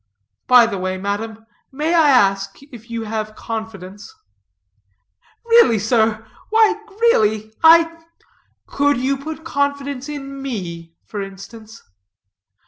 By the way, madam, may I ask if you have confidence?" "Really, sir why, sir really I " "Could you put confidence in me for instance?"